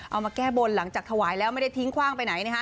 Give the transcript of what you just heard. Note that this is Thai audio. เอามาแก้บนหลังจากถวายแล้วไม่ได้ทิ้งคว่างไปไหนนะฮะ